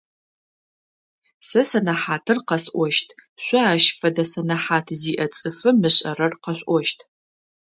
Сэ сэнэхьатыр къэсӏощт, шъо ащ фэдэ сэнэхьат зиӏэ цӏыфым ышӏэрэр къэшъуӏощт.